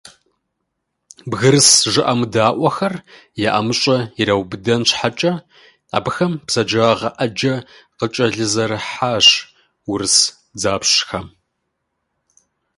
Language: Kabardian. «Бгырыс жыӀэмыдаӀуэхэр» я ӀэмыщӀэ ираубыдэн щхьэкӀэ, абыхэм бзаджагъэ Ӏэджэ къыкӀэлъызэрахьащ урыс дзэпщхэм.